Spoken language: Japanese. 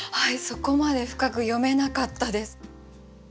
そこまで深く読めなかったです。